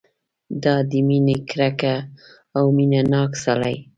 دا د مینې ګرګه او مینه ناک سړی.